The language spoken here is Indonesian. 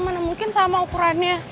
mana mungkin sama ukurannya